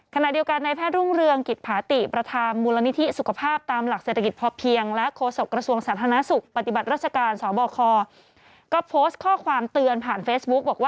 คณะเดียวกันในแพทย์รุ่งเรือง